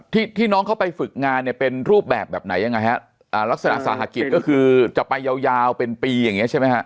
ที่ที่น้องเขาไปฝึกงานเนี่ยเป็นรูปแบบแบบไหนยังไงฮะอ่าลักษณะสาหกิจก็คือจะไปยาวยาวเป็นปีอย่างเงี้ใช่ไหมฮะ